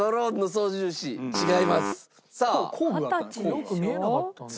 よく見えなかったんだよな。